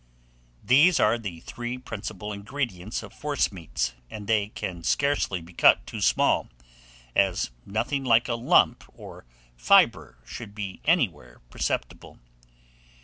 These are the three principal ingredients of forcemeats, and they can scarcely be cut too small, as nothing like a lump or fibre should be anywhere perceptible.